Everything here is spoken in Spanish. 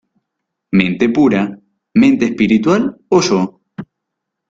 Mente Pura, Mente Espiritual o Yo.